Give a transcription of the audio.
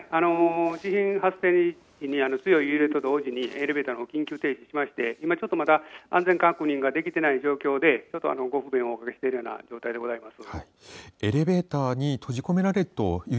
地震発生時に強い揺れと同時にエレベーターも緊急停止しまして今、ちょっとまだ安全確認ができていない状態でご不便をおかけしている状態です。